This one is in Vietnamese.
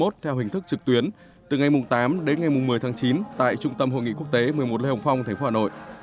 theo hình thức trực tuyến từ ngày tám đến ngày một mươi tháng chín tại trung tâm hội nghị quốc tế một mươi một lê hồng phong tp hà nội